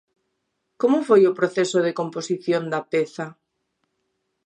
Como foi o proceso de composición da peza?